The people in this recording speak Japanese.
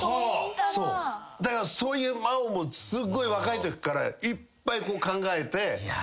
だからそういう間をすごい若いときからいっぱい考えて。